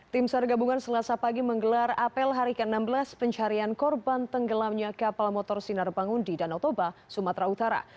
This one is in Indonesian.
tim sar gabungan selasa pagi menggelar apel hari ke enam belas pencarian korban tenggelamnya kapal motor sinar bangun di danau toba sumatera utara